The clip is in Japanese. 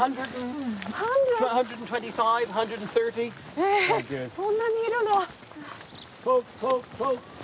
えっそんなにいるの。